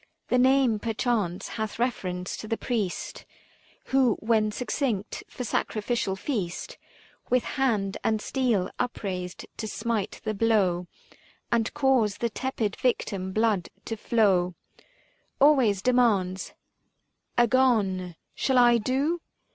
The name perchance hath reference to the Priest Who when succinct for sacrificial feast With hand and steel upraised to smite the blow 345 And cause the tepid victim blood to flow, Always demands " Agone," " Shall I do